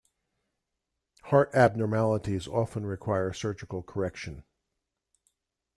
Heart abnormalities often require surgical correction.